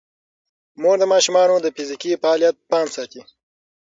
مور د ماشومانو د فزیکي فعالیت پام ساتي.